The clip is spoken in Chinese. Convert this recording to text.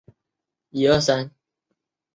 也为轮椅冰壶举行世界锦标赛。